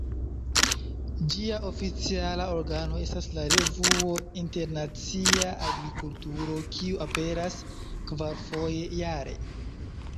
Ĝia oficiala organo estas la revuo "Internacia Agrikulturo", kiu aperas kvarfoje jare.